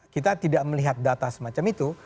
kita tidak melihat data semacam itu